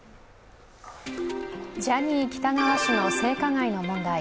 ジャニー喜多川氏の性加害の問題。